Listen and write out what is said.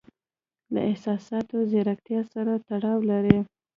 له احساساتي زیرکتیا سره تړاو لري.